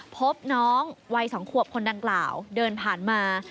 พบน้องวัย๒ขวบคนดังกล่าวเดินผ่านมา